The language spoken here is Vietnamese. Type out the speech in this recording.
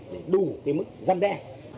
để đủ cái mức dân đe